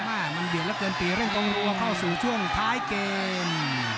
มันเบียดละเกินตีเรื่องตรงเข้าสู่ช่วงท้ายเกม